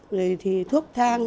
rồi thì thuốc thang